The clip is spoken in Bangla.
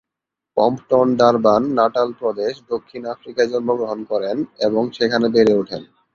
কম্পটন ডারবান, নাটাল প্রদেশ, দক্ষিণ আফ্রিকায় জন্মগ্রহণ করেন এবং সেখানে বেড়ে উঠেন।